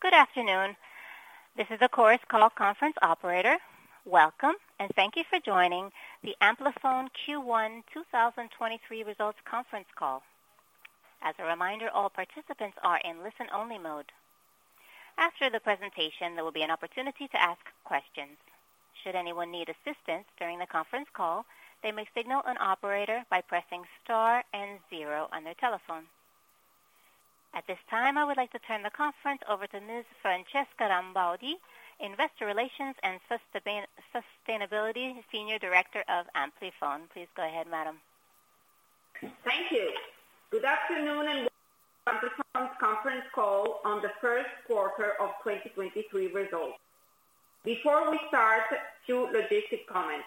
Good afternoon. This is the Chorus Call Conference Operator. Welcome and thank you for joining the Amplifon Q1 2023 results conference call. As a reminder, all participants are in listen-only mode. After the presentation, there will be an opportunity to ask questions. Should anyone need assistance during the conference call, they may signal an operator by pressing star and zero on their telephone. At this time, I would like to turn the conference over to Ms. Francesca Rambaudi, Investor Relations and Sustainability Senior Director of Amplifon. Please go ahead, madam. Thank you. Good afternoon and welcome to Amplifon's conference call on the first quarter of 2023 results. Before we start, two logistic comments.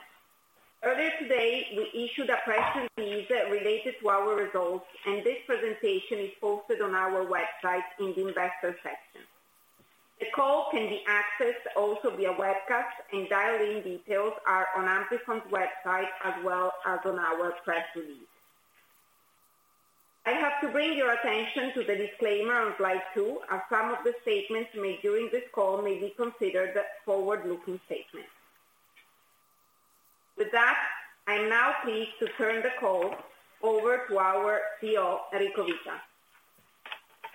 Earlier today, we issued a press release related to our results, and this presentation is posted on our website in the investor section. The call can be accessed also via webcast, and dial-in details are on Amplifon's website as well as on our press release. I have to bring your attention to the disclaimer on slide two, as some of the statements made during this call may be considered forward-looking statements. With that, I'm now pleased to turn the call over to our CEO, Enrico Vita.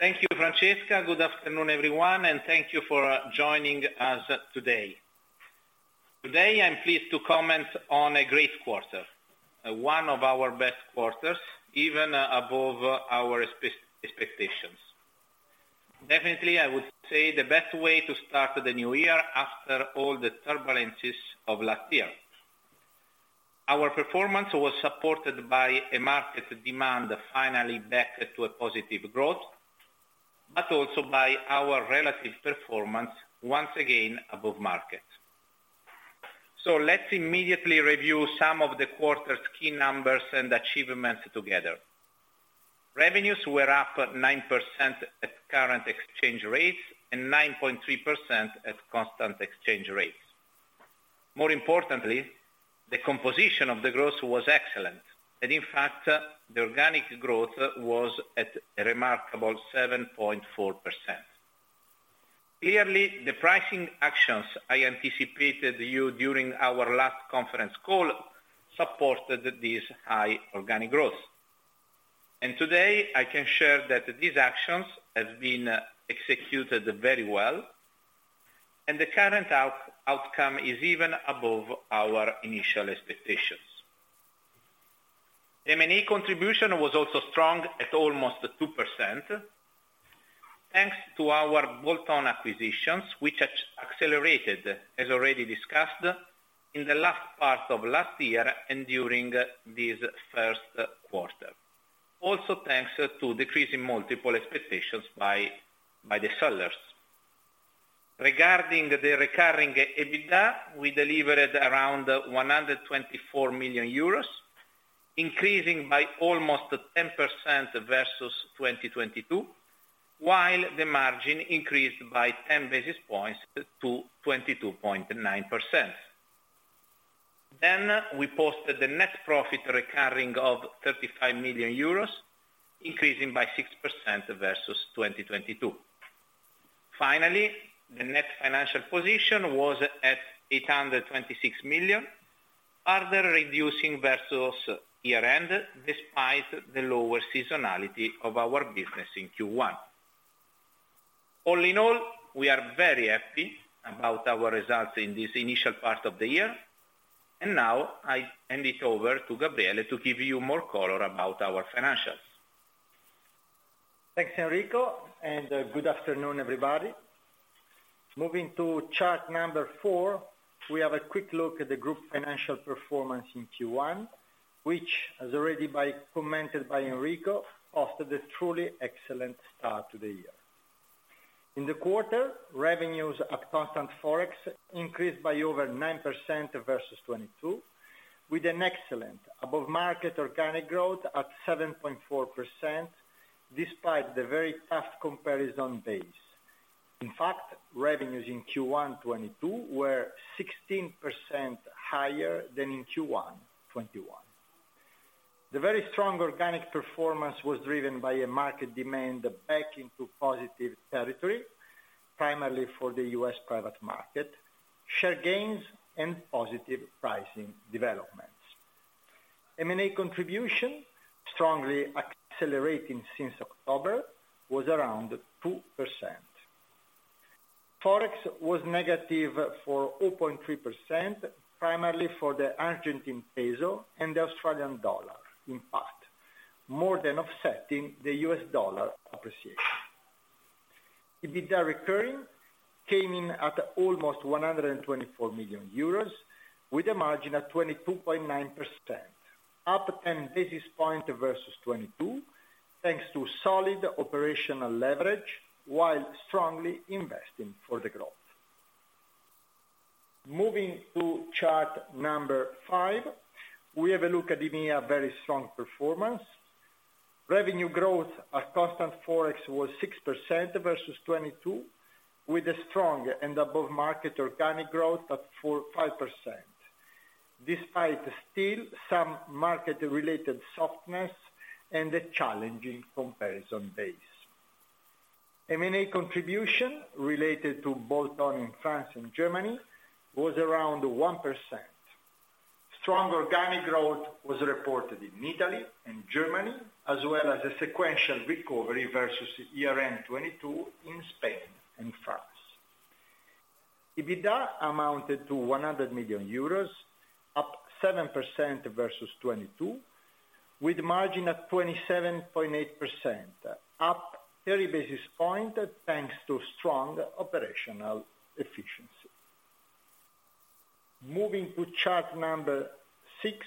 Thank you, Francesca. Good afternoon, everyone. Thank you for joining us today. Today, I'm pleased to comment on a great quarter, one of our best quarters, even above our expectations. Definitely, I would say the best way to start the new year after all the turbulences of last year. Our performance was supported by a market demand finally back to a positive growth, also by our relative performance, once again above market. Let's immediately review some of the quarter's key numbers and achievements together. Revenues were up 9% at current exchange rates and 9.3% at constant exchange rates. More importantly, the composition of the growth was excellent. In fact, the organic growth was at a remarkable 7.4%. Clearly, the pricing actions I anticipated you during our last conference call supported this high organic growth. Today, I can share that these actions have been executed very well, and the current outcome is even above our initial expectations. M&A contribution was also strong at almost 2%, thanks to our bolt-on acquisitions, which accelerated, as already discussed, in the last part of last year and during this first quarter. Also, thanks to decreasing multiple expectations by the sellers. Regarding the recurring EBITDA, we delivered around 124 million euros, increasing by almost 10% versus 2022, while the margin increased by 10 basis points to 22.9%. We posted the net profit recurring of 35 million euros, increasing by 6% versus 2022. The net financial position was at 826 million, further reducing versus year-end, despite the lower seasonality of our business in Q1. All in all, we are very happy about our results in this initial part of the year. Now I hand it over to Gabriele to give you more color about our financials. Thanks, Enrico. Good afternoon, everybody. Moving to chart number four, we have a quick look at the group financial performance in Q1, which as already commented by Enrico, offered a truly excellent start to the year. In the quarter, revenues at constant ForEx increased by over 9% versus 2022, with an excellent above market organic growth at 7.4%, despite the very tough comparison base. Revenues in Q1 2022 were 16% higher than in Q1 2021. The very strong organic performance was driven by a market demand back into positive territory, primarily for the U.S. private market, share gains and positive pricing developments. M&A contribution, strongly accelerating since October, was around 2%. ForEx was negative for 0.3%, primarily for the ARS and the AUD, in part, more than offsetting the U.S. dollar appreciation. EBITDA recurring came in at almost 124 million euros with a margin at 22.9%, up 10 basis points versus 2022, thanks to solid operational leverage while strongly investing for the growth. Moving to chart number five, we have a look at EMEA very strong performance. Revenue growth at constant ForEx was 6% versus 2022, with a strong and above market organic growth at 5%. Despite still some market-related softness and a challenging comparison base. M&A contribution related to bolt-on in France and Germany was around 1%. Strong organic growth was reported in Italy and Germany, as well as a sequential recovery versus ERM 2022 in Spain and France. EBITDA amounted to 100 million euros, up 7% versus 2022, with margin at 27.8%, up 30 basis points, thanks to strong operational efficiency. Moving to chart number six,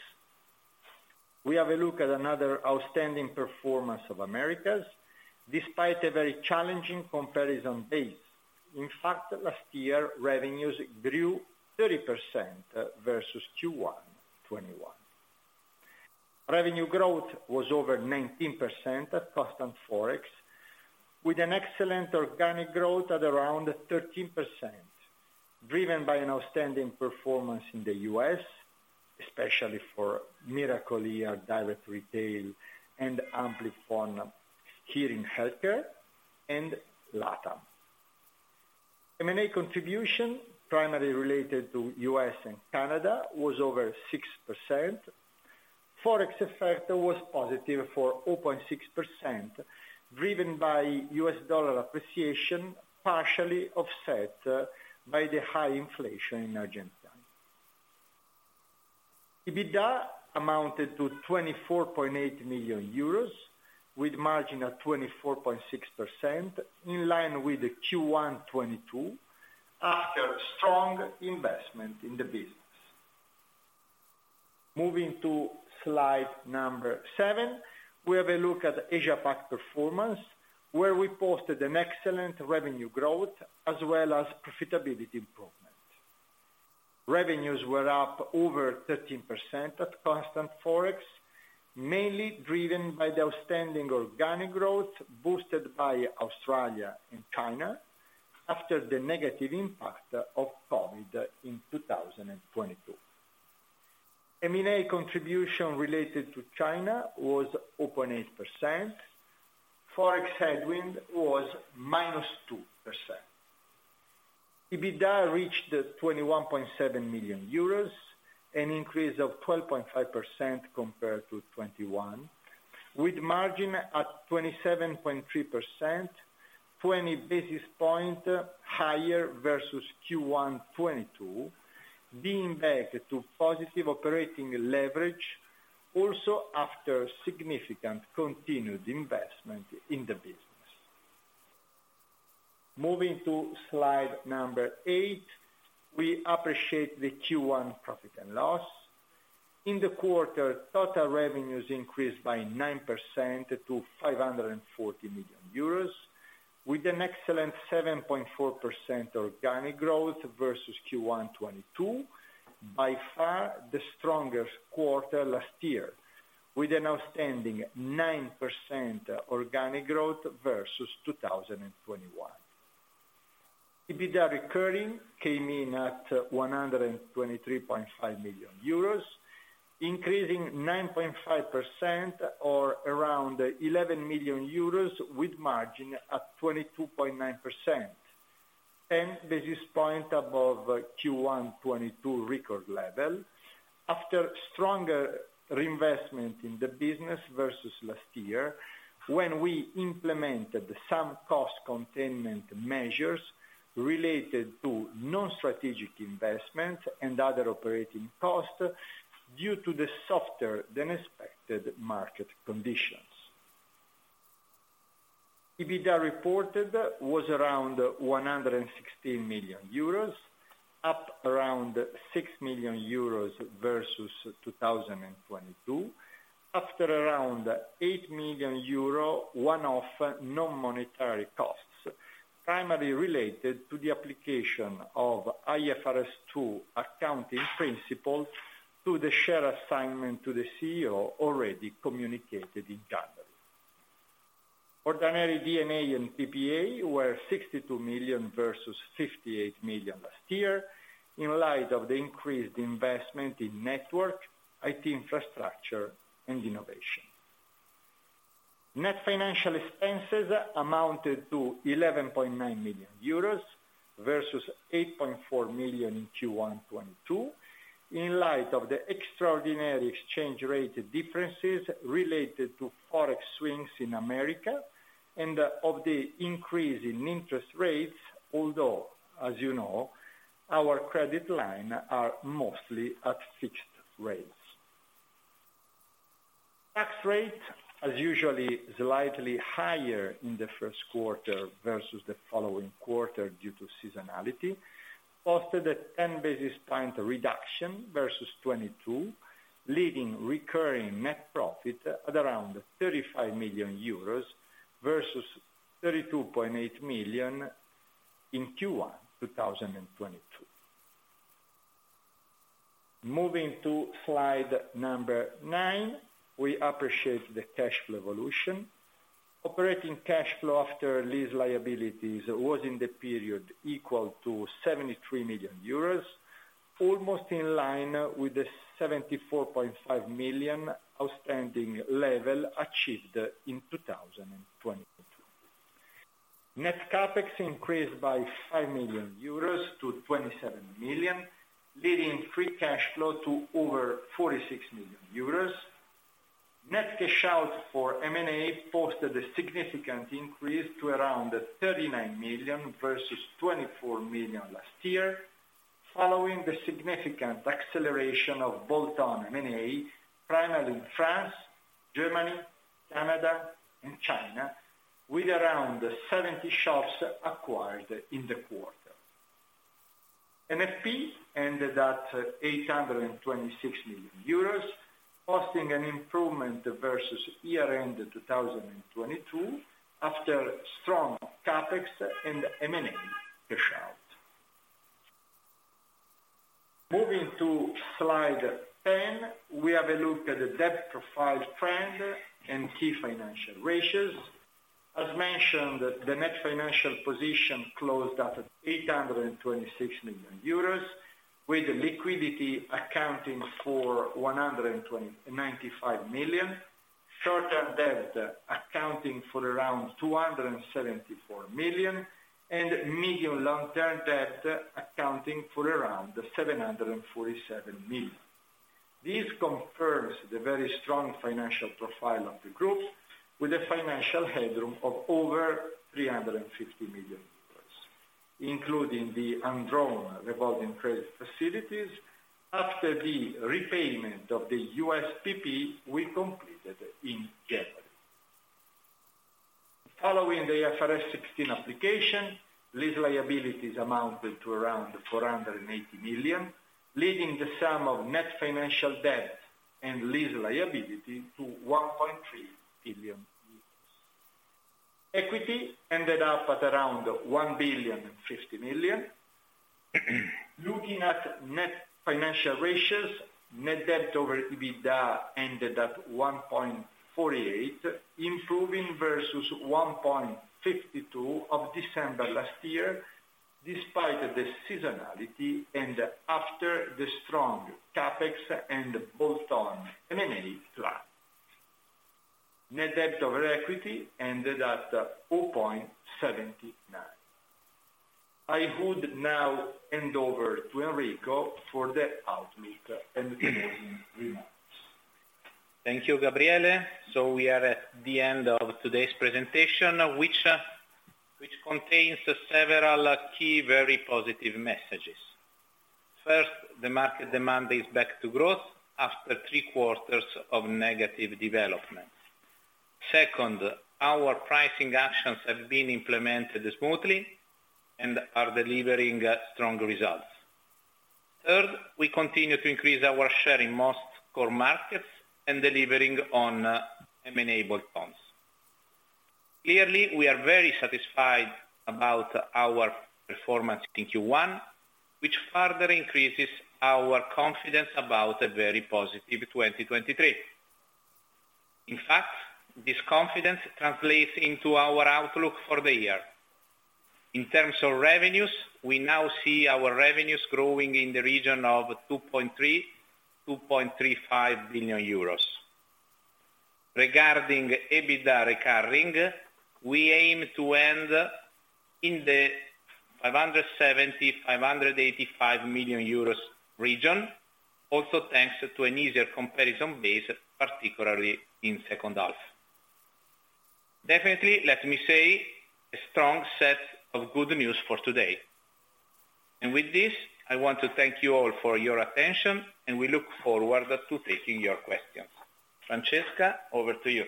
we have a look at another outstanding performance of Americas despite a very challenging comparison base. In fact, last year, revenues grew 30% versus Q1 2021. Revenue growth was over 19% at constant Forex, with an excellent organic growth at around 13%, driven by an outstanding performance in the U.S., especially for Miracle-Ear direct retail and Amplifon Hearing Health Care and LATAM. M&A contribution, primarily related to U.S. and Canada, was over 6%. Forex effect was positive for 0.6%, driven by U.S. dollar appreciation, partially offset by the high inflation in Argentina. EBITDA amounted to 24.8 million euros, with margin at 24.6%, in line with the Q1 2022 after strong investment in the business. Moving to slide number seven, we have a look at Asia Pac performance, where we posted an excellent revenue growth as well as profitability improvement. Revenues were up over 13% at constant Forex, mainly driven by the outstanding organic growth boosted by Australia and China after the negative impact of COVID in 2022. M&A contribution related to China was open 8%. Forex headwind was -2%. EBITDA reached 21.7 million euros, an increase of 12.5% compared to 2021, with margin at 27.3%, 20 basis points higher versus Q1 '22, being back to positive operating leverage also after significant continued investment in the business. Moving to slide number eight, we appreciate the Q1 profit and loss. In the quarter, total revenues increased by 9% to 540 million euros, with an excellent 7.4% organic growth versus Q1 2022, by far the strongest quarter last year, with an outstanding 9% organic growth versus 2021. EBITDA recurring came in at 123.5 million euros, increasing 9.5% or around 11 million euros with margin at 22.9%. This is point above Q1 2022 record level. After stronger reinvestment in the business versus last year when we implemented some cost containment measures related to non-strategic investment and other operating costs due to the softer than expected market conditions. EBITDA reported was around 116 million euros, up around 6 million euros versus 2022, after around 8 million euro one-off non-monetary costs, primarily related to the application of IFRS 2 accounting principles to the share assignment to the CEO already communicated in January. Ordinary D&A and PPA were 62 million versus 58 million last year in light of the increased investment in network, IT infrastructure, and innovation. Net financial expenses amounted to 11.9 million euros versus 8.4 million in Q1 2022 in light of the extraordinary exchange rate differences related to Forex swings in America and of the increase in interest rates, although, as you know, our credit line are mostly at fixed rates. Tax rate as usually slightly higher in the first quarter versus the following quarter due to seasonality, posted a 10 basis point reduction versus 2022, leaving recurring net profit at around 35 million euros versus 32.8 million in Q1 2022. Moving to slide number 9, we appreciate the cash flow evolution. Operating cash flow after lease liabilities was in the period equal to 73 million euros, almost in line with the 74.5 million outstanding level achieved in 2022. Net CapEx increased by 5 million euros to 27 million, leading free cash flow to over 46 million euros. Net cash out for M&A posted a significant increase to around 39 million versus 24 million last year, following the significant acceleration of bolt-on M&A, primarily in France, Germany, Canada and China, with around 70 shops acquired in the quarter. NFP ended at 826 million euros, posting an improvement versus year-end 2022 after strong capex and M&A cash out. Moving to slide 10, we have a look at the debt profile trend and key financial ratios. As mentioned, the net financial position closed at 826 million euros, with liquidity accounting for 95 million, short-term debt accounting for around 274 million, and medium long-term debt accounting for around 747 million. This confirms the very strong financial profile of the group with a financial headroom of over 350 million euros, including the undrawn revolving credit facilities after the repayment of the USPP we completed in January. Following the IFRS 16 application, lease liabilities amounted to around 480 million, leaving the sum of net financial debt and lease liability to 1.3 billion euros. Equity ended up at around 1.05 billion. Looking at net financial ratios, net debt over EBITDA ended at 1.48, improving versus 1.52 of December last year, despite the seasonality and after the strong CapEx and bolt-on M&A slide. Net debt over equity ended at 4.79. I would now hand over to Enrico for the outlook and closing remarks. Thank you, Gabriele. We are at the end of today's presentation, which contains several key, very positive messages. First, the market demand is back to growth after three quarters of negative developments. Second, our pricing actions have been implemented smoothly and are delivering strong results. Third, we continue to increase our share in most core markets and delivering on M&A bolt-ons. Clearly, we are very satisfied about our performance in Q1, which further increases our confidence about a very positive 2023. In fact, this confidence translates into our outlook for the year. In terms of revenues, we now see our revenues growing in the region of 2.3 billion-2.35 billion euros. Regarding EBITDA recurring, we aim to end in the 570-585 million euros region, also thanks to an easier comparison base, particularly in H2. Definitely, let me say, a strong set of good news for today. With this, I want to thank you all for your attention, and we look forward to taking your questions. Francesca, over to you.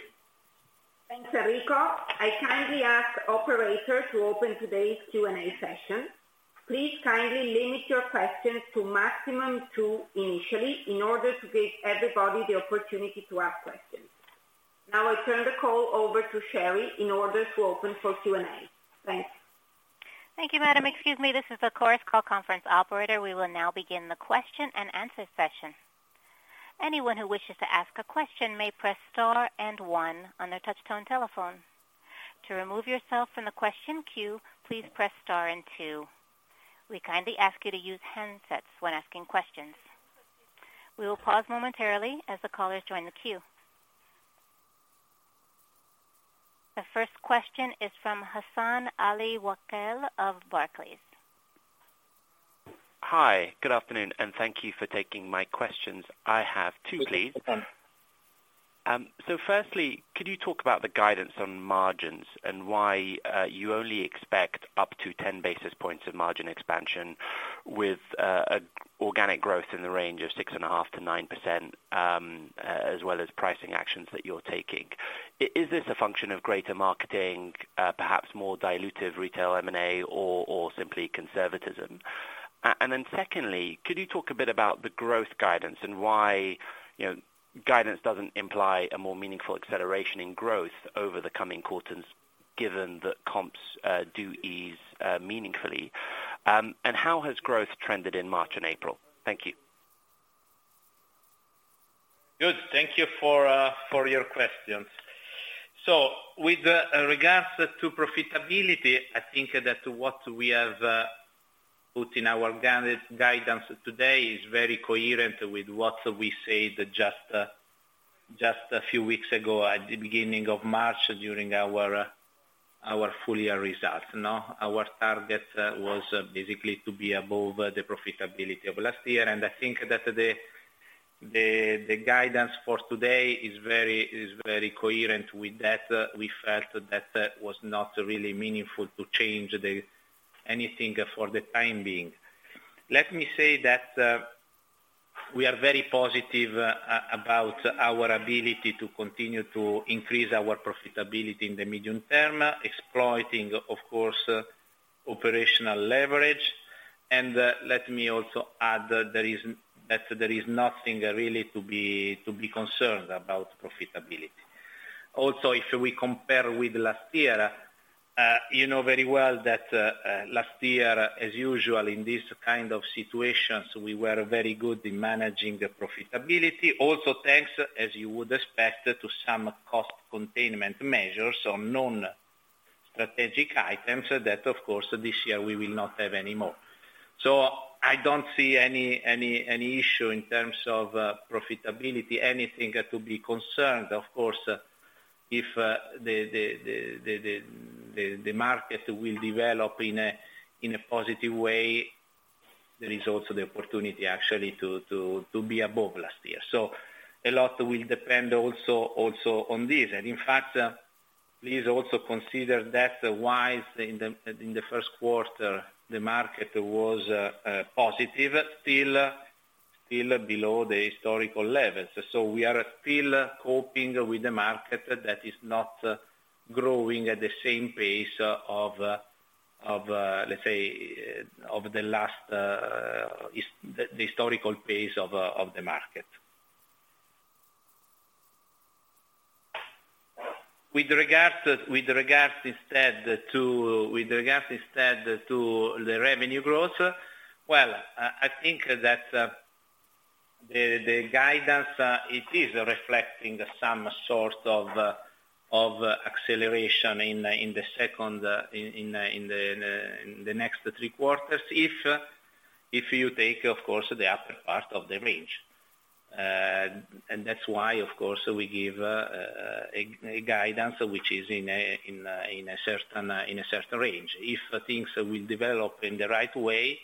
Thanks, Enrico. I kindly ask operator to open today's Q&A session. Please kindly limit your questions to maximum two initially, in order to give everybody the opportunity to ask questions. Now I turn the call over to Sherry in order to open for Q&A. Thanks. Thank you, madam. Excuse me, this is the Chorus Call Conference operator. We will now begin the question-and-answer session. Anyone who wishes to ask a question may press star and one on their touchtone telephone. To remove yourself from the question queue, please press star and two. We kindly ask you to use handsets when asking questions. We will pause momentarily as the callers join the queue. The first question is from Hassan Al-Wakeel of Barclays. Hi, good afternoon, and thank you for taking my questions. I have two, please. So firstly, could you talk about the guidance on margins and why you only expect up to 10 basis points of margin expansion with organic growth in the range of 6.5%-9%, as well as pricing actions that you're taking? Is this a function of greater marketing, perhaps more dilutive retail M&A or simply conservatism? Then secondly, could you talk a bit about the growth guidance and why, you know, guidance doesn't imply a more meaningful acceleration in growth over the coming quarters given that comps do ease meaningfully? How has growth trended in March and April? Thank you. Good. Thank you for your questions. With regards to profitability, I think that what we have put in our guidance today is very coherent with what we said just a few weeks ago at the beginning of March during our full year results. Our target was basically to be above the profitability of last year, and I think that the guidance for today is very coherent with that. We felt that that was not really meaningful to change anything for the time being. Let me say that we are very positive about our ability to continue to increase our profitability in the medium term, exploiting, of course, operational leverage. Let me also add that there is nothing really to be concerned about profitability. If we compare with last year, you know very well that, last year, as usual in these kind of situations, we were very good in managing the profitability. Also, thanks, as you would expect, to some cost containment measures on non-strategic items that of course this year we will not have any more. I don't see any issue in terms of profitability, anything to be concerned. Of course, if the market will develop in a positive way, there is also the opportunity actually to be above last year. A lot will depend also on this. In fact, please also consider that while in the first quarter the market was positive, still below the historical levels. We are still coping with a market that is not growing at the same pace of, let's say, of the last, the historical pace of the market. With regards to, with regards instead to the revenue growth, well, I think that the guidance, it is reflecting some sort of acceleration in the second, in the next three quarters if you take, of course, the upper part of the range. That's why of course we give a guidance which is in a certain range. If things will develop in the right way,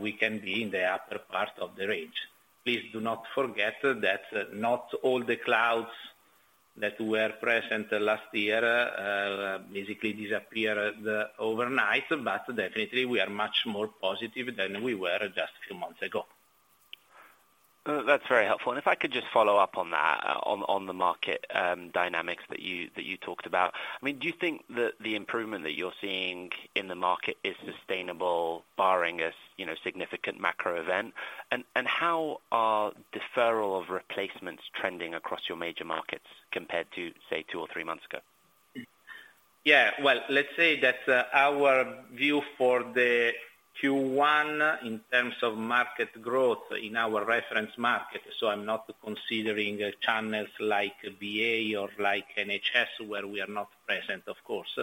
we can be in the upper part of the range. Please do not forget that not all the clouds that were present last year, basically disappear overnight, but definitely we are much more positive than we were just a few months ago. That's very helpful. If I could just follow up on that, on the market dynamics that you talked about. I mean, do you think that the improvement that you're seeing in the market is sustainable barring a, you know, significant macro event? How are deferral of replacements trending across your major markets compared to, say, two or three months ago? Well, let's say that our view for the Q1 in terms of market growth in our reference market, so I'm not considering channels like BA or like NHS, where we are not present, of course.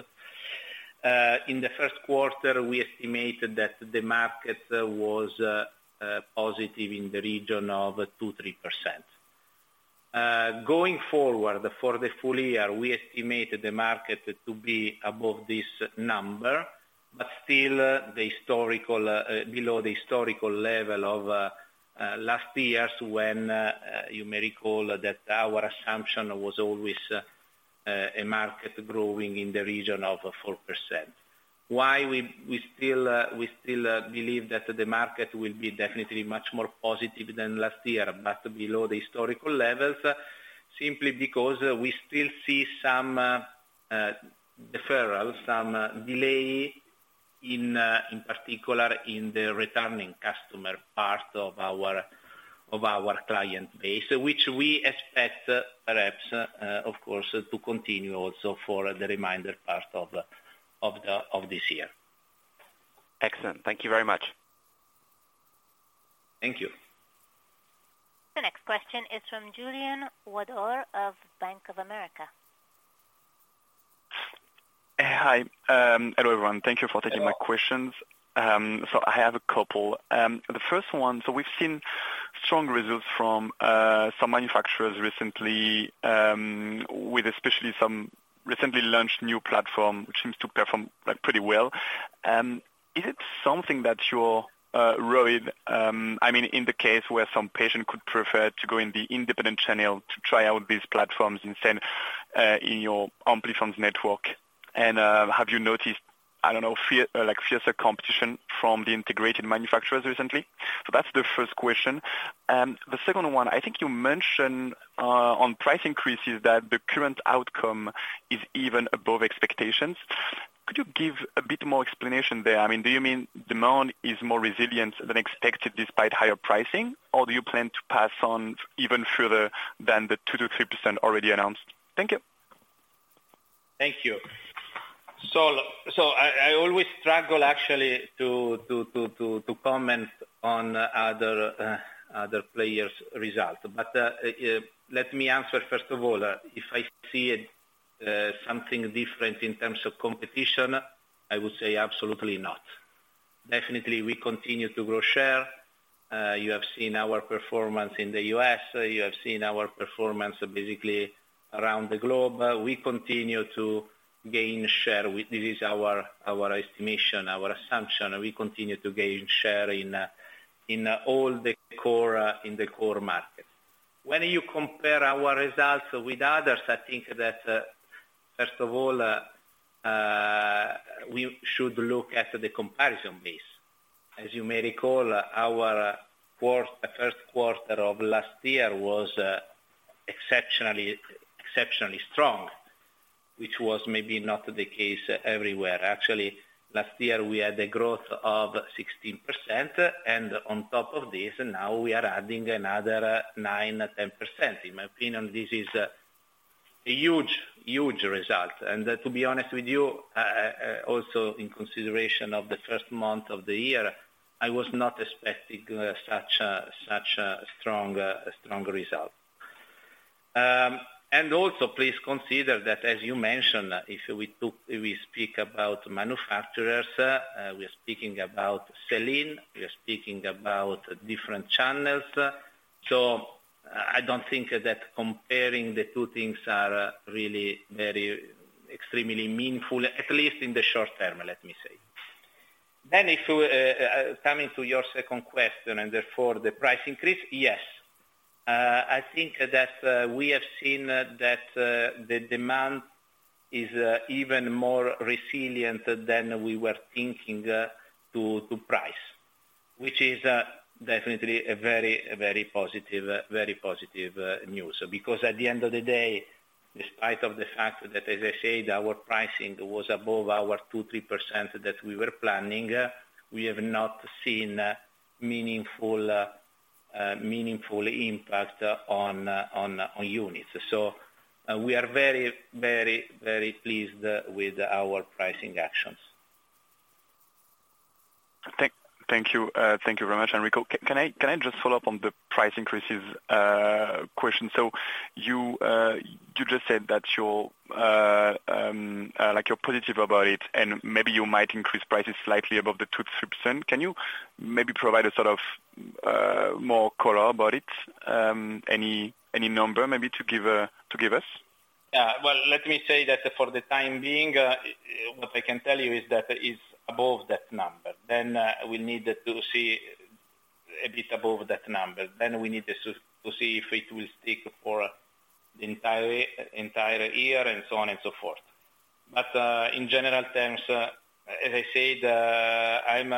In the first quarter, we estimated that the market was positive in the region of 2%-3%. Going forward, for the full year, we estimated the market to be above this number, but still the historical, below the historical level of last years when you may recall that our assumption was always a market growing in the region of 4%. Why we still, believe that the market will be definitely much more positive than last year but below the historical levels, simply because we still see some deferral, some delay in particular in the returning customer part of our client base, which we expect perhaps, of course, to continue also for the remainder part of this year. Excellent. Thank you very much. Thank you. The next question is from Julien Ouaddour of Bank of America. Hi. Hello, everyone. Thank you for taking my questions. I have a couple. The first one, we've seen strong results from some manufacturers recently, with especially some recently launched new platform which seems to perform, like, pretty well. Is it something that you're worried, I mean, in the case where some patient could prefer to go in the independent channel to try out these platforms instead, in your Amplifon's network? Have you noticed, I don't know, fear, like, fiercer competition from the integrated manufacturers recently? That's the first question. The second one, I think you mentioned on price increases that the current outcome is even above expectations. Could you give a bit more explanation there? I mean, do you mean demand is more resilient than expected despite higher pricing, or do you plan to pass on even further than the 2%-3% already announced? Thank you. Thank you. I always struggle actually to comment on other other players result. Let me answer first of all, if I see something different in terms of competition, I would say absolutely not. Definitely, we continue to grow share. You have seen our performance in the U.S., you have seen our performance basically around the globe. We continue to gain share this is our estimation, our assumption, we continue to gain share in all the core in the core markets. When you compare our results with others, I think that first of all, we should look at the comparison base. As you may recall, our first quarter of last year was exceptionally strong, which was maybe not the case everywhere. Actually, last year we had a growth of 16%. On top of this, now we are adding another 9%-10%. In my opinion, this is a huge result. To be honest with you, also in consideration of the first month of the year, I was not expecting such a strong result. Also please consider that, as you mentioned, if we speak about manufacturers, we're speaking about Selene, we're speaking about different channels. I don't think that comparing the two things are really very extremely meaningful, at least in the short term, let me say. If we coming to your second question and therefore the price increase, yes. I think that we have seen that the demand is even more resilient than we were thinking to price. Definitely a very positive news. Despite of the fact that as I said, our pricing was above our 2%-3% that we were planning, we have not seen meaningful impact on units. We are very pleased with our pricing actions. Thank you. Thank you very much, Enrico. Can I just follow up on the price increases question? You just said that you're like you're positive about it, and maybe you might increase prices slightly above the 2%-3%. Can you maybe provide a sort of more color about it? Any number maybe to give to give us? Yeah. Let me say that for the time being, what I can tell you is that it's above that number. We need to see a bit above that number, then we need to see if it will stick for the entire year and so on and so forth. In general terms, as I said, I'm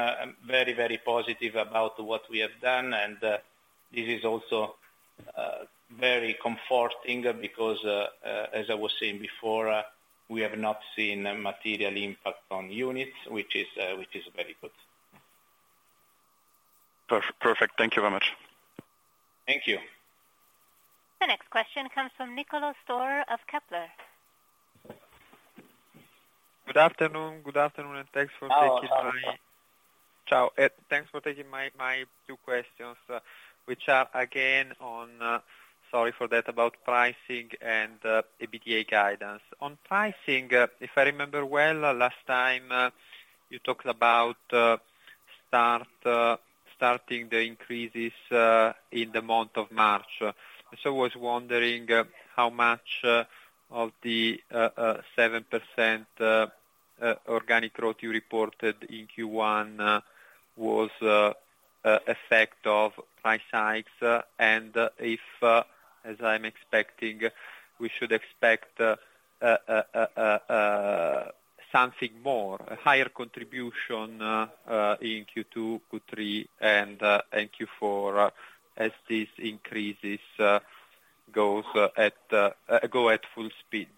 very, very positive about what we have done, and this is also very comforting because, as I was saying before, we have not seen a material impact on units, which is very good. perfect. Thank you very much. Thank you. The next question comes from Niccolò Storer of Kepler. Good afternoon. Thanks for taking Oh, hello. Ciao. Thanks for taking my two questions, which are again on, sorry for that, about pricing and the EBITDA guidance. On pricing, if I remember well, last time, you talked about starting the increases in the month of March. I was wondering how much of the 7% organic growth you reported in Q1 was effect of price hikes. If, as I'm expecting, we should expect something more, a higher contribution in Q2, Q3 and Q4, as this increases go at full speed.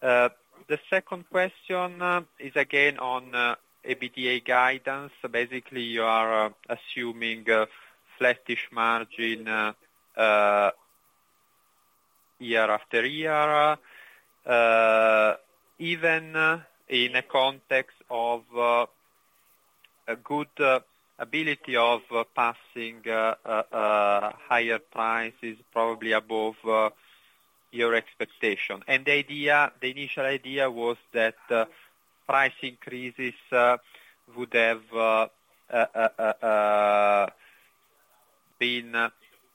The second question is again on EBITDA guidance. Basically, you are assuming a flattish margin year after year even in a context of a good ability of passing higher prices probably above your expectation. The initial idea was that price increases would have been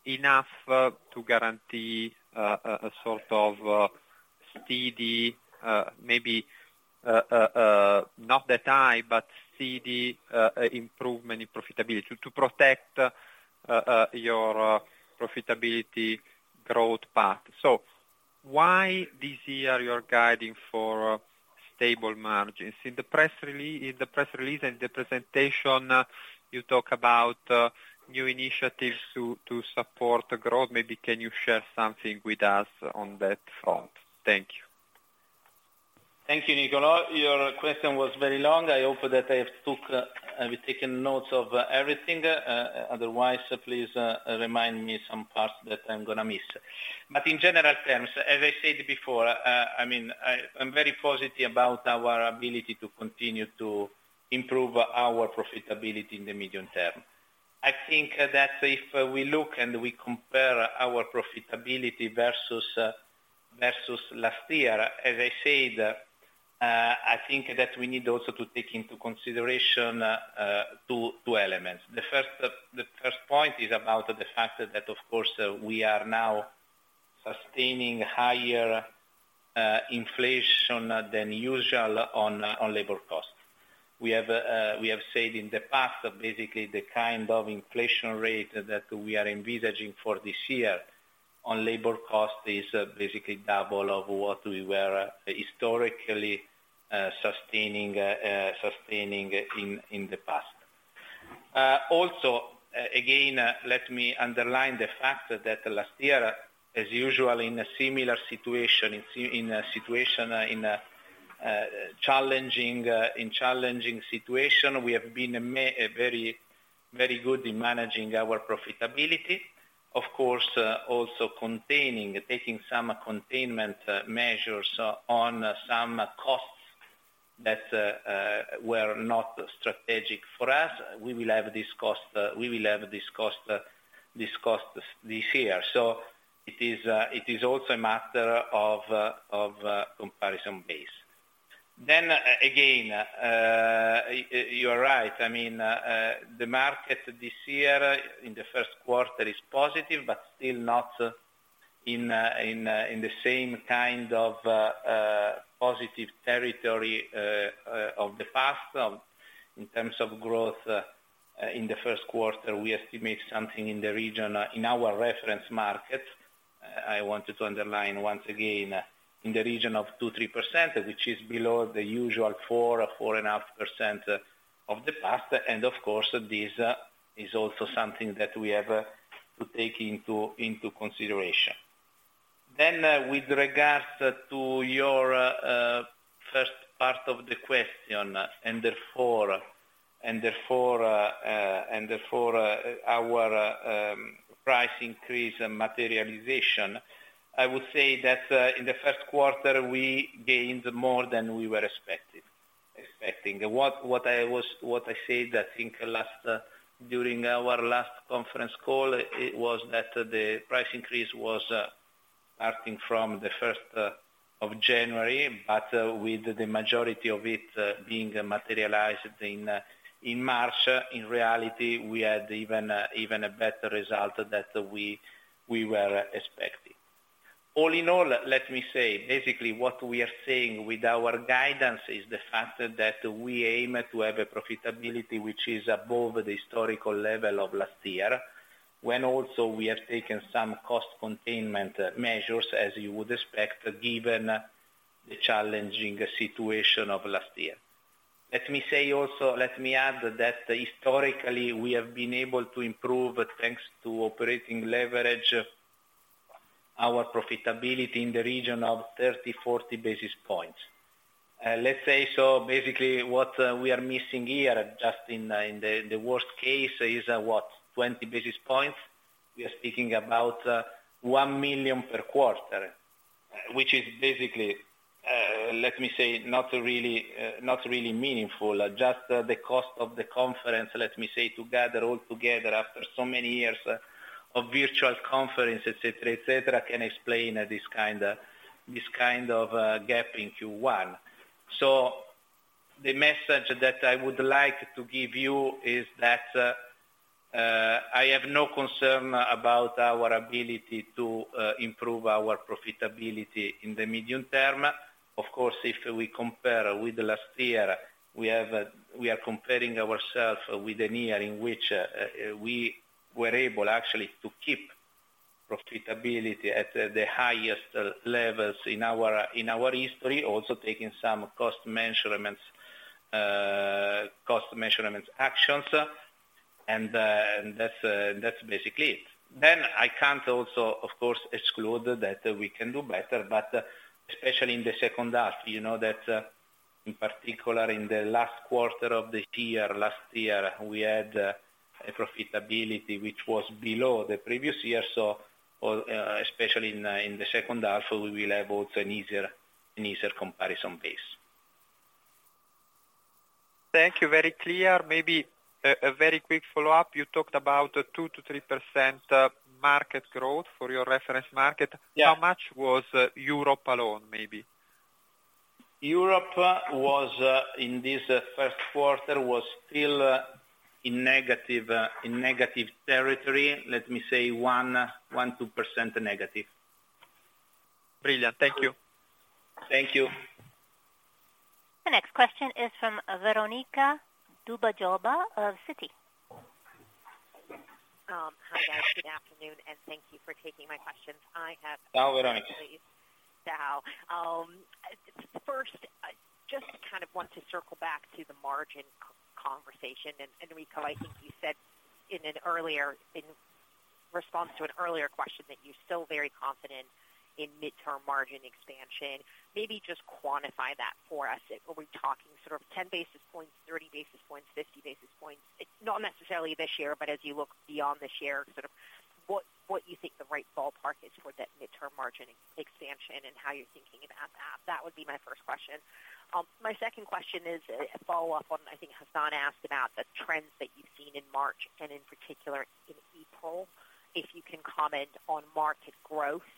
enough to guarantee a sort of steady, maybe not that high, but steady improvement in profitability to protect your profitability growth path. Why this year you're guiding for stable margins? In the press release and the presentation, you talk about new initiatives to support growth. Maybe can you share something with us on that front? Thank you. Thank you, Niccolò. Your question was very long. I hope that I have took, I've taken notes of everything. Otherwise, please, remind me some parts that I'm gonna miss. In general terms, as I said before, I mean, I'm very positive about our ability to continue to improve our profitability in the medium term. I think that if we look and we compare our profitability versus last year, as I said, I think that we need also to take into consideration, two elements. The first point is about the fact that of course we are now sustaining higher, inflation than usual on labor costs. We have said in the past that basically the kind of inflation rate that we are envisaging for this year on labor cost is basically double of what we were historically sustaining in the past. Also, again, let me underline the fact that last year, as usual, in a similar situation, in a situation, in a challenging situation, we have been very, very good in managing our profitability. Of course, also containing, taking some containment measures on some costs that were not strategic for us. We will have this cost this year. It is also a matter of comparison base. Again, you're right. I mean, the market this year in the first quarter is positive, but still not in the same kind of positive territory of the past in terms of growth. In the first quarter, we estimate something in the region in our reference market, I wanted to underline once again, in the region of 2%-3%, which is below the usual 4%-4.5% of the past. Of course, this is also something that we have to take into consideration. With regards to your first part of the question, and therefore, our price increase and materialization, I would say that in the first quarter, we gained more than we were expecting. What I said, I think last, during our last conference call, it was that the price increase was starting from the January 1st, but with the majority of it being materialized in March. In reality, we had even a better result that we were expecting. All in all, let me say, basically what we are saying with our guidance is the fact that we aim to have a profitability which is above the historical level of last year, when also we have taken some cost containment measures, as you would expect, given the challenging situation of last year. Let me say also, let me add that historically we have been able to improve, thanks to operating leverage, our profitability in the region of 30, 40 basis points. Let's say so basically what we are missing here, just in the worst case, is, what? 20 basis points. We are speaking about 1 million per quarter, which is basically, let me say, not really, not really meaningful. Just the cost of the conference, let me say, together, all together after so many years of virtual conference, et cetera, et cetera, can explain this kind of gap in Q1. The message that I would like to give you is that I have no concern about our ability to improve our profitability in the medium term. Of course, if we compare with the last year, we have, we are comparing ourselves with a year in which, we were able actually to keep profitability at the highest levels in our, in our history, also taking some cost measurements actions, and that's basically it. I can't also, of course, exclude that we can do better, but especially in the H2, you know that, in particular, in the last quarter of the year, last year, we had a profitability which was below the previous year. especially in the second half, we will have also an easier comparison base. Thank you. Very clear. Maybe a very quick follow-up. You talked about 2%-3% market growth for your reference market. Yeah. How much was Europe alone, maybe? Europe was in this first quarter, was still in negative territory. Let me say 1%-2% negative. Brilliant. Thank you. Thank you. The next question is from Veronika Dubajova of Citi. hi guys. Good afternoon, and thank you for taking my questions. Hi, Veronika. First, I just kind of want to circle back to the margin conversation. Enrico, I think you said in response to an earlier question that you're still very confident in midterm margin expansion. Maybe just quantify that for us. Are we talking sort of 10 basis points, 30 basis points, 50 basis points? Not necessarily this year, but as you look beyond this year, what you think the right ballpark is for that midterm margin expansion and how you're thinking about that? That would be my first question. My second question is a follow-up on, I think Hassan asked about the trends that you've seen in March and in particular in April. If you can comment on market growth,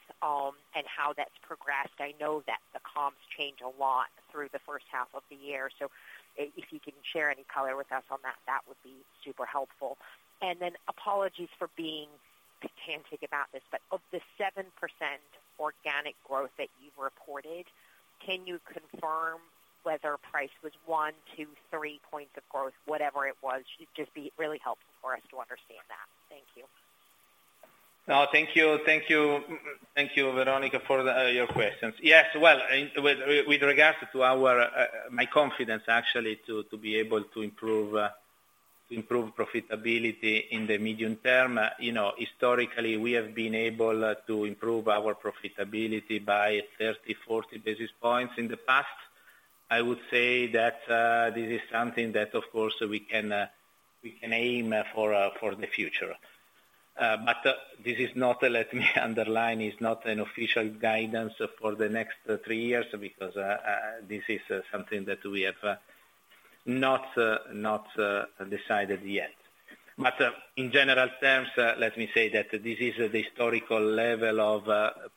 and how that's progressed. I know that the comps change a lot through the first half of the year. If you can share any color with us on that would be super helpful. Apologies for being pedantic about this, of the 7% organic growth that you've reported, can you confirm whether price was 1, 2, 3 points of growth, whatever it was? It'd just be really helpful for us to understand that. Thank you. No, thank you. Thank you. Thank you, Veronika, for the, your questions. Yes, well, with regards to our, my confidence actually to be able to improve profitability in the medium term, you know, historically, we have been able to improve our profitability by 30, 40 basis points in the past. I would say that this is something that of course we can aim for for the future. This is not, let me underline, is not an official guidance for the next three years because this is something that we have not decided yet. In general terms, let me say that this is the historical level of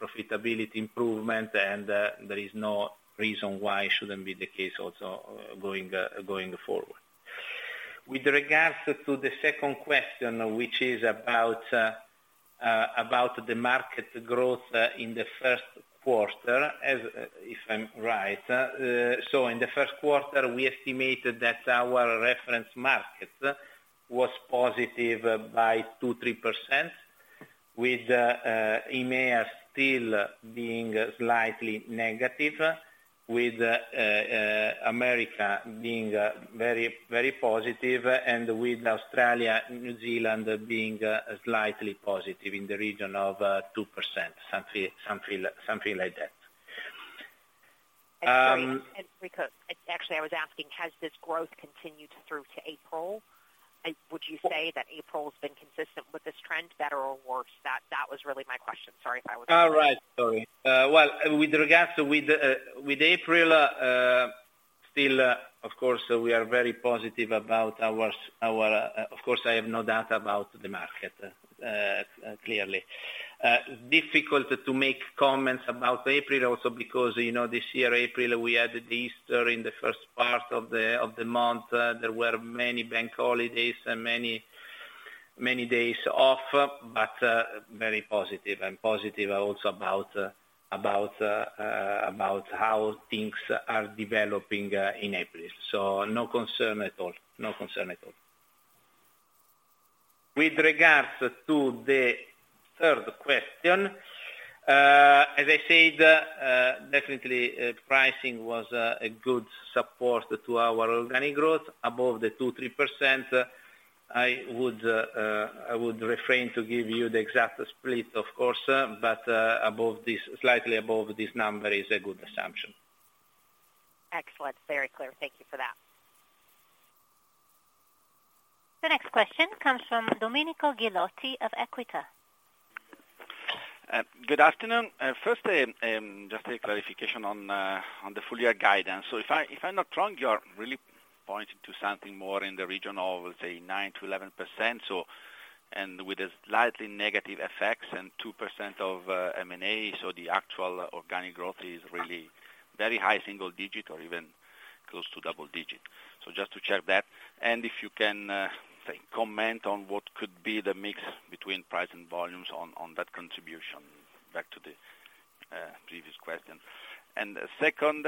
profitability improvement, and there is no reason why it shouldn't be the case also going going forward. With regards to the second question, which is about the market growth in the first quarter, as if I'm right. In the first quarter, we estimated that our reference market was positive by 2%-3%, with EMEA still being slightly negative, with America being very, very positive, and with Australia and New Zealand being slightly positive in the region of 2%, something like that. Sorry. Enrico, actually, I was asking, has this growth continued through to April? Would you say that April's been consistent with this trend, better or worse? That was really my question. Sorry if I wasn't clear. All right. Sorry. With regards to April, still, of course, we are very positive about our. Of course, I have no doubt about the market, clearly. Difficult to make comments about April also because, you know, this year, April, we had the Easter in the first part of the month. There were many bank holidays and many days off. Very positive. I'm positive also about how things are developing in April. No concern at all. No concern at all. With regards to the third question, as I said, definitely pricing was a good support to our organic growth above the 2%-3%. I would refrain to give you the exact split, of course, but, above this, slightly above this number is a good assumption. Excellent. Very clear. Thank you for that. The next question comes from Domenico Ghilotti of Equita. Good afternoon. First, just a clarification on the full year guidance. If I'm not wrong, you are really pointing to something more in the region of, let's say, 9%-11%. With a slightly negative effects and 2% of M&A, the actual organic growth is really very high single digit or even close to double digit. Just to check that, and if you can say, comment on what could be the mix between price and volumes on that contribution, back to the previous question. Second,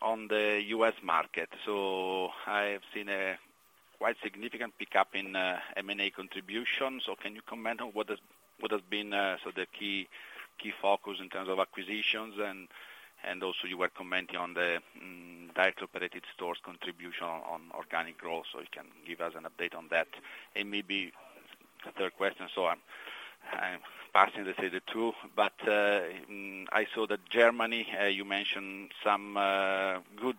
on the U.S. market. I have seen a quite significant pickup in M&A contribution. Can you comment on what has been so the key focus in terms of acquisitions? Also you were commenting on the direct operated stores contribution on organic growth, so you can give us an update on that. Maybe the third question, so I'm parsing to say the two, but I saw that Germany, you mentioned some good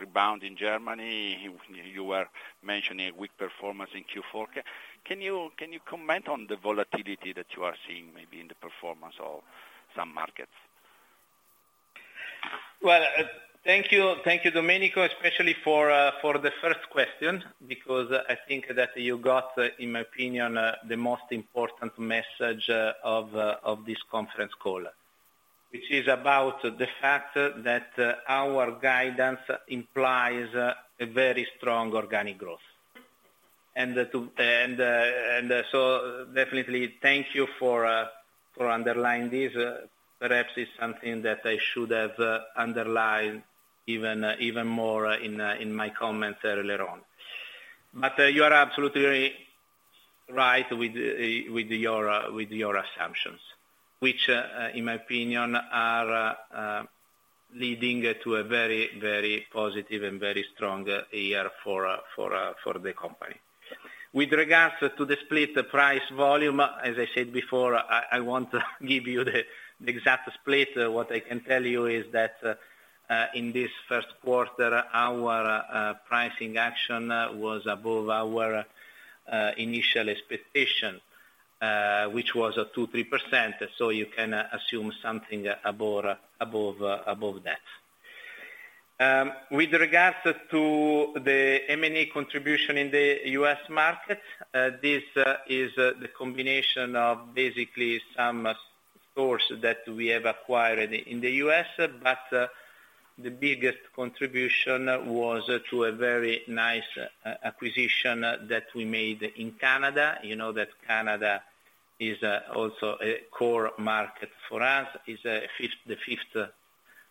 rebound in Germany. You were mentioning weak performance in Q4. Can you comment on the volatility that you are seeing maybe in the performance of some markets? Well, thank you. Thank you, Domenico, especially for for the first question, because I think that you got, in my opinion, the most important message of this conference call, which is about the fact that our guidance implies a very strong organic growth. So definitely thank you for for underlying this. Perhaps it's something that I should have underlined even more in my comments earlier on. You are absolutely right with your assumptions, which, in my opinion, are leading to a very, very positive and very strong year for the company. With regards to the split, the price volume, as I said before, I won't give you the exact split. What I can tell you is that in this first quarter, our pricing action was above our initial expectation, which was a 2%-3%. You can assume something above that. With regards to the M&A contribution in the U.S. market, this is the combination of basically some stores that we have acquired in the U.S. The biggest contribution was through a very nice acquisition that we made in Canada. You know that Canada is also a core market for us. It's the fifth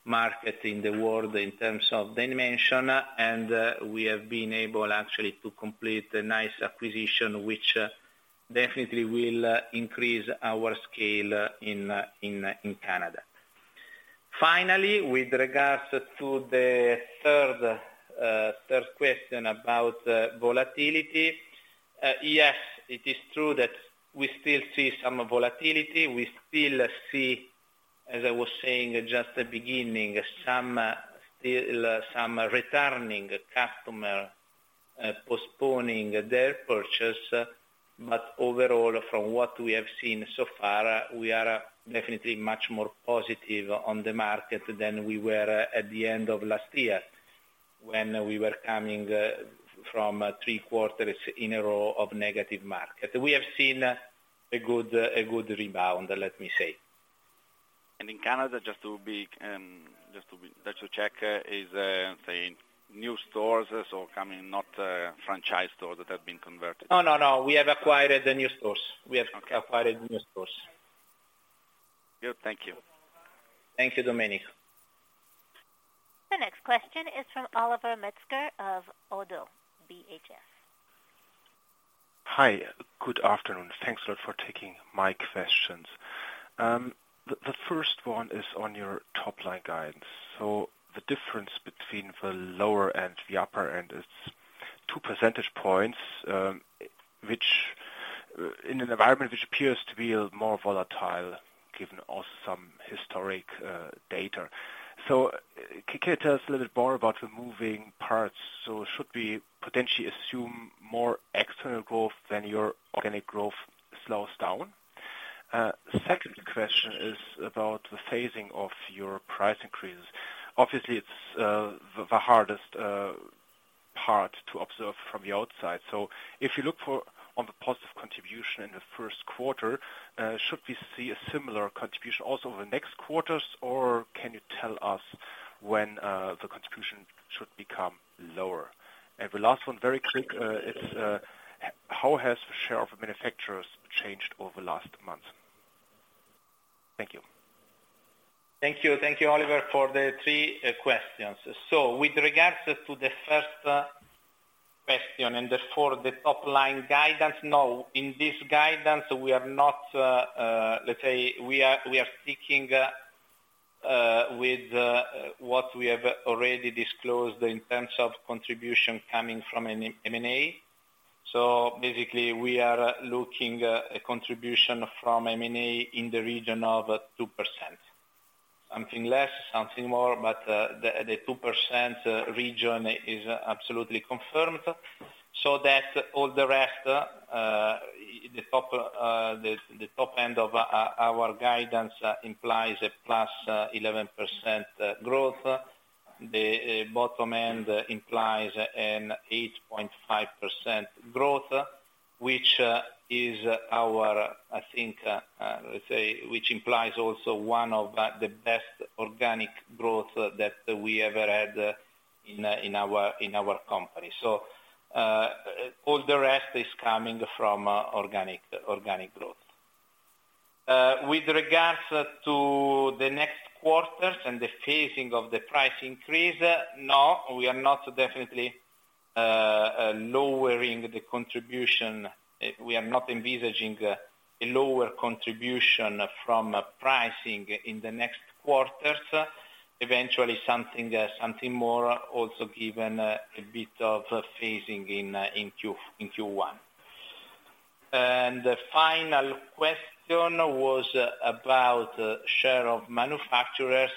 market in the world in terms of dimension, and we have been able actually to complete a nice acquisition, which definitely will increase our scale in Canada. Finally, with regards to the third question about volatility, yes, it is true that we still see some volatility. We still see, as I was saying just at the beginning, some still some returning customer postponing their purchase. Overall, from what we have seen so far, we are definitely much more positive on the market than we were at the end of last year when we were coming from three quarters in a row of negative market. We have seen a good rebound, let me say. In Canada, Just to check, is, say, new stores or, I mean, not, franchise stores that have been converted? No, no. We have acquired the new stores. We have acquired new stores. Good. Thank you. Thank you, Domenico. The next question is from Oliver Metzger of ODDO BHF. Hi. Good afternoon. Thanks a lot for taking my questions. The first one is on your top line guidance. The difference between the lower and the upper end is 2% points, which in an environment which appears to be more volatile given also some historic data. Can you tell us a little bit more about the moving parts? Should we potentially assume more external growth than your organic growth slows down? Second question is about the phasing of your price increases. Obviously, it's the hardest part to observe from the outside. If you look for on the positive contribution in the first quarter, should we see a similar contribution also in the next quarters, or can you tell us when the contribution should become lower? The last one, very quick, is, how has the share of manufacturers changed over the last month? Thank you. Thank you. Thank you, Oliver, for the three questions. With regards to the first question and therefore the top line guidance, no. In this guidance, we are not, let's say we are sticking with what we have already disclosed in terms of contribution coming from an M&A. Basically we are looking a contribution from M&A in the region of 2%. Something less, something more, the 2% region is absolutely confirmed. All the rest, the top end of our guidance implies a +11% growth. The bottom end implies an 8.5% growth, which is our, I think, let's say, which implies also one of the best organic growth that we ever had in our company. All the rest is coming from organic growth. With regards to the next quarters and the phasing of the price increase, we are not definitely lowering the contribution. We are not envisaging a lower contribution from pricing in the next quarters. Eventually something more also given a bit of phasing in Q1. The final question was about share of manufacturers.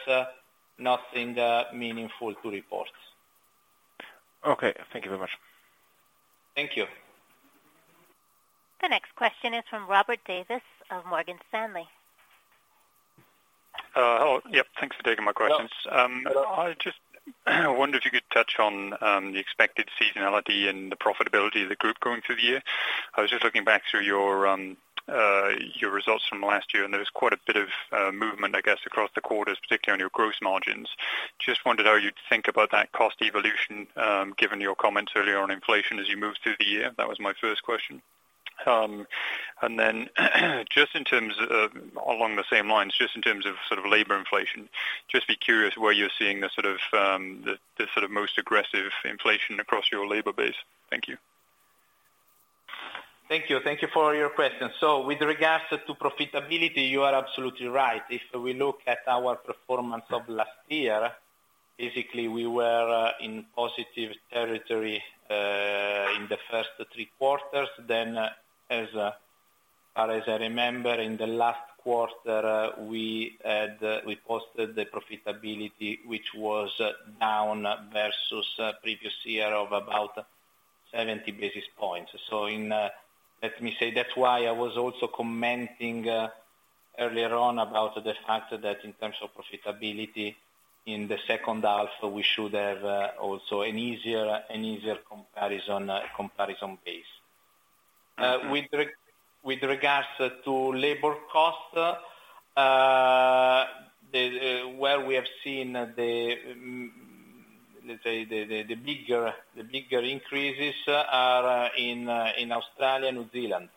Nothing meaningful to report. Okay. Thank you very much. Thank you. The next question is from Robert Davis of Morgan Stanley. Hello. Yep, thanks for taking my questions. I just wonder if you could touch on the expected seasonality and the profitability of the group going through the year. I was just looking back through your results from last year, there was quite a bit of movement, I guess, across the quarters, particularly on your gross margins. Just wondered how you'd think about that cost evolution given your comments earlier on inflation as you move through the year. That was my first question. Then Along the same lines, just in terms of sort of labor inflation, just be curious where you're seeing the sort of, the sort of most aggressive inflation across your labor base. Thank you. Thank you. Thank you for your question. With regards to profitability, you are absolutely right. If we look at our performance of last year, basically we were in positive territory in the first three quarters. As or as I remember, in the last quarter, we had we posted the profitability, which was down versus previous year of about 70 basis points. In, let me say that's why I was also commenting earlier on about the fact that in terms of profitability in the second half, we should have also an easier comparison base. With regards to labor costs, the, where we have seen the let's say the bigger increases are in Australia and New Zealand.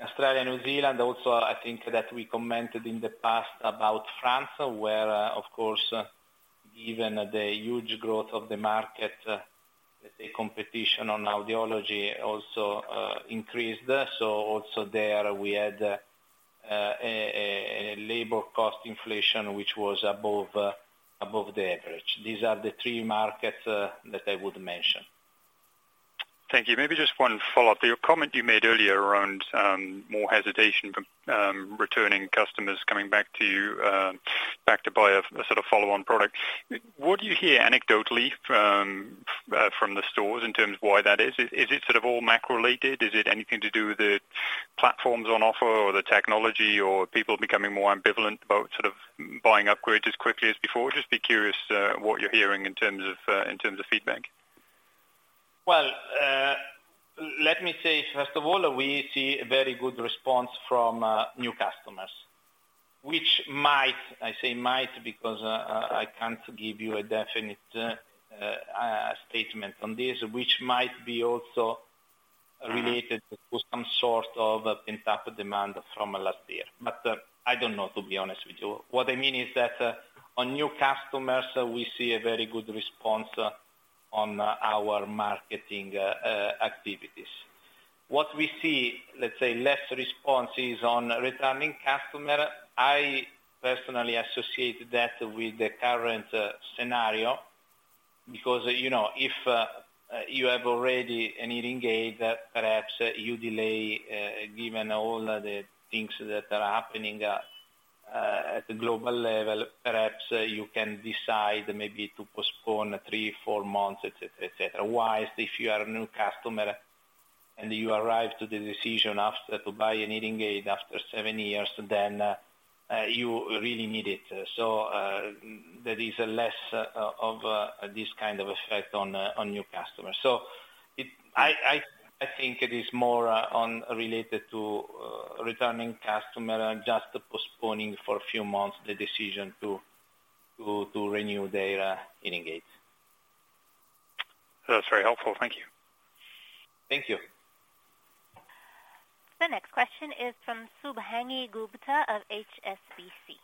Australia and New Zealand also, I think that we commented in the past about France, where, of course, given the huge growth of the market, let's say competition on audiology also increased. Also there we had a labor cost inflation which was above the average. These are the three markets that I would mention. Thank you. Maybe just one follow-up. The comment you made earlier around more hesitation from returning customers coming back to you back to buy a sort of follow-on product. What do you hear anecdotally from the stores in terms of why that is? Is it sort of all macro-related? Is it anything to do with the platforms on offer or the technology or people becoming more ambivalent about sort of buying upgrades as quickly as before? Just be curious what you're hearing in terms of in terms of feedback. Well, let me say, first of all, we see very good response from new customers, which might, I say might because I can't give you a definite statement on this, which might be also related to some sort of pent-up demand from last year. I don't know, to be honest with you. What I mean is that on new customers, we see a very good response on our marketing activities. What we see, let's say less response is on returning customer. I personally associate that with the current scenario because, you know, if you have already a hearing aid that perhaps you delay, given all the things that are happening at the global level, perhaps you can decide maybe to postpone three, four months, et cetera, et cetera. If you are a new customer and you arrive to the decision after to buy a hearing aid after seven years, you really need it. There is less of this kind of effect on new customers. I think it is more on related to returning customer just postponing for a few months the decision to renew their hearing aids. That's very helpful. Thank you. Thank you. The next question is from Shubhangi Gupta of HSBC.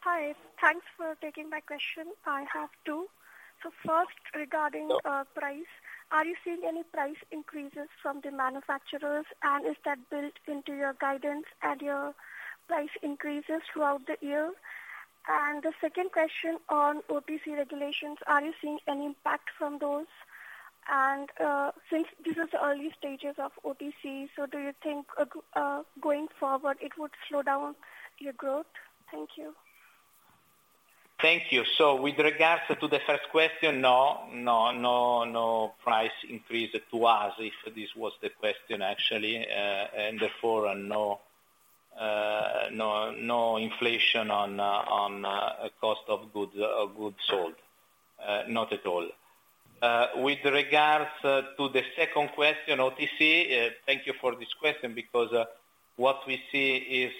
Hi. Thanks for taking my question. I have two. First, regarding price, are you seeing any price increases from the manufacturers, and is that built into your guidance and your price increases throughout the year? The second question on OTC regulations, are you seeing any impact from those? Since this is the early stages of OTC, do you think, going forward, it would slow down your growth? Thank you. Thank you. With regards to the first question, no price increase to us, if this was the question actually, Therefore, no inflation on cost of goods sold. Not at all. With regards to the second question, OTC, thank you for this question because what we see is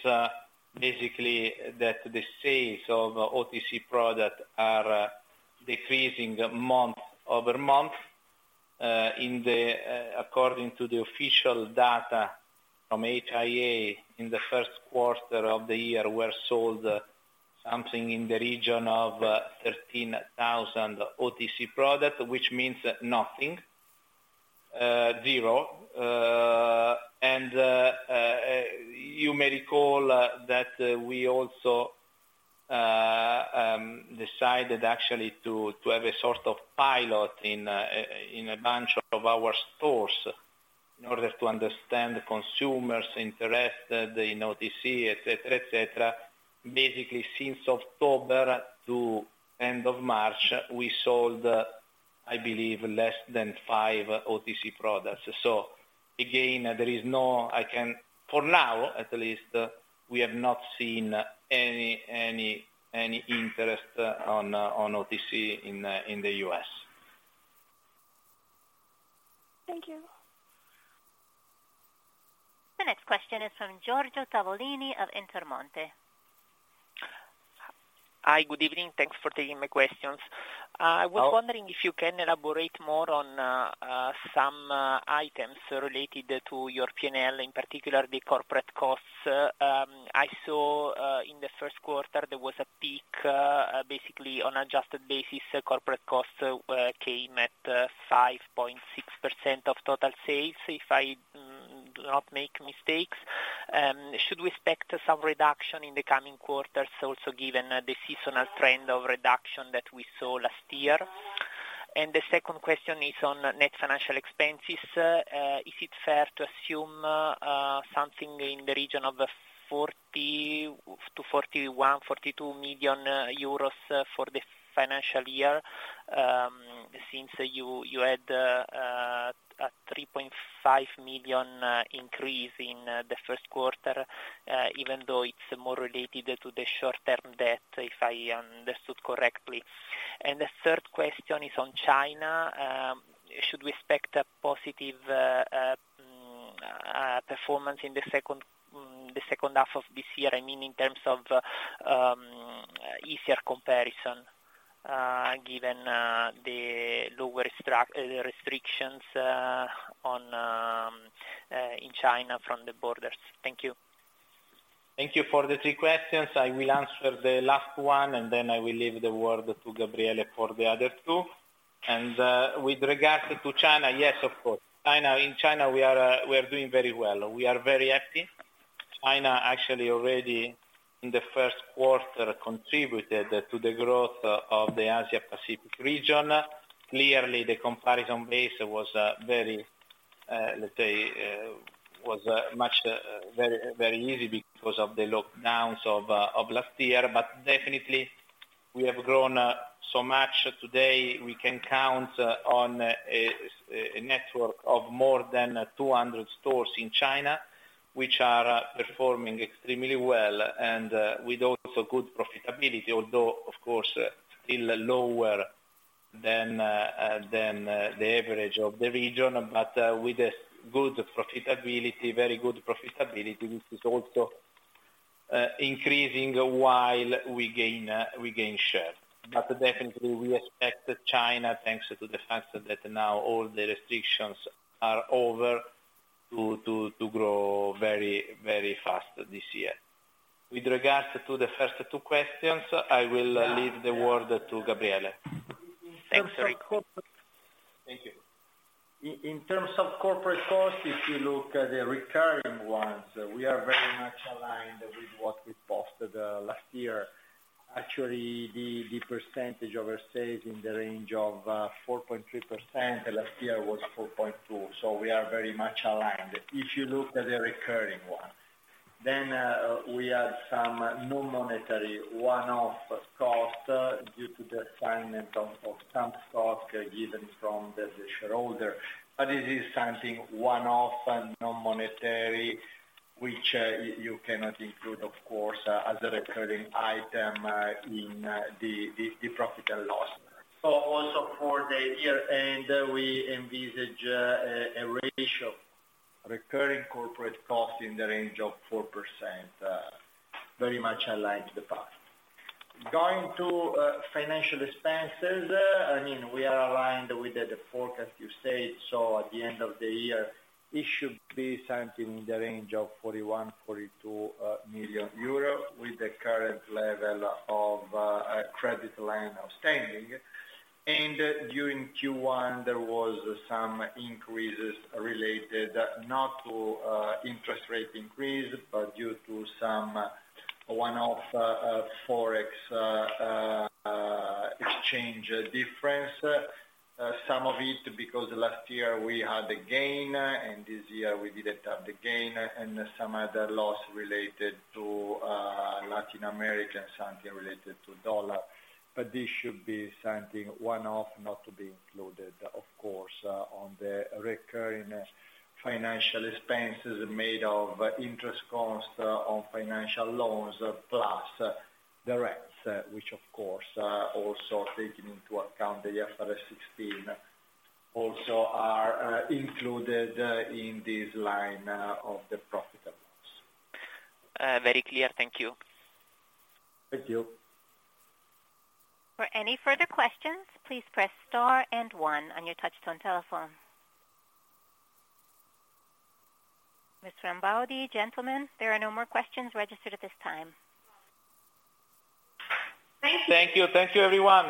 basically that the sales of OTC product are decreasing month-over-month, in the, according to the official data from HIA in the first quarter of the year were sold something in the region of 13,000 OTC product, which means nothing, zero. You may recall that we also, decided actually to have a sort of pilot in a bunch of our stores in order to understand consumers interested in OTC, et cetera, et cetera. Basically, since October to end of March, we sold, I believe, less than five OTC products. Again, there is no. For now, at least, we have not seen any interest on OTC in the U.S. Thank you. The next question is from Giorgio Tavolini of Intermonte. Oh- Hi. Good evening. Thanks for taking my questions. I was wondering if you can elaborate more on some items related to your P&L, in particular the corporate costs. I saw in the first quarter, there was a peak, basically on adjusted basis, corporate costs came at 5.6% of total sales, if I do not make mistakes. Should we expect some reduction in the coming quarters also given the seasonal trend of reduction that we saw last year? The second question is on net financial expenses. Is it fair to assume something in the region of 41 million-42 million euros for the financial year, since you had 3.5 million increase in the first quarter, even though it's more related to the short-term debt, if I understood correctly. The third question is on China. Should we expect a positive performance in the second half of this year? I mean, in terms of easier comparison, given the lower restrictions on in China from the borders. Thank you. Thank you for the three questions. I will answer the last one. I will leave the word to Gabriele for the other two. With regards to China, yes, of course, in China, we are doing very well. We are very active. China actually already in the first quarter contributed to the growth of the Asia Pacific region. Clearly, the comparison base was very, let's say, was much, very easy because of the lockdowns of last year. Definitely we have grown so much today. We can count on a network of more than 200 stores in China, which are performing extremely well and with also good profitability although, of course, still lower than the average of the region, with a good profitability, very good profitability. This is also, increasing while we gain share. Definitely, we expect China, thanks to the fact that now all the restrictions are over, to grow very, very fast this year. With regards to the first two questions, I will leave the word to Gabriele. Thanks. Thank you. In terms of corporate costs, if you look at the recurring ones, we are very much aligned with what we posted last year. Actually, the percentage overstayed in the range of 4.3%. Last year was 4.2%. We are very much aligned. If you look at the recurring one, we had some non-monetary one-off costs due to the assignment of some stock given from the shareholder. But it is something one-off and non-monetary, which you cannot include, of course, as a recurring item in the profit and loss. Also for the year, we envisage a ratio recurring corporate cost in the range of 4%, very much aligned to the past. Going to financial expenses, I mean, we are aligned with the forecast you said. At the end of the year, it should be something in the range of 41 million-42 million euro, with the current level of a credit line of standing. During Q1, there was some increases related not to interest rate increase, but due to some one-off Forex exchange difference. Some of it because last year we had a gain, and this year we didn't have the gain and some other loss related to Latin America and something related to U.S. dollar. This should be something one-off, not to be included, of course, on the recurring financial expenses made of interest costs on financial loans plus the rents, which of course, also taking into account the IFRS 16 also are included in this line of the profit and loss. Very clear. Thank you. Thank you. For any further questions, please press star and one on your touchtone telephone. Mr. Baldi, gentlemen, there are no more questions registered at this time. Thank you. Thank you. Thank you, everyone.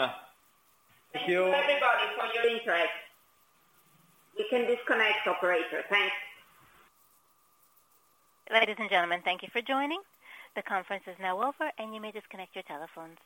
Thank you. Thank you, everybody, for your interest. You can disconnect, operator. Thanks. Ladies and gentlemen, thank you for joining. The conference is now over, and you may disconnect your telephones.